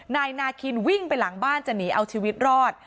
นายนาคินวิ่งไปหลังบ้านจะหนีเอาชีวิตรอด